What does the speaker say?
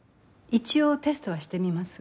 一応テストはしてみます。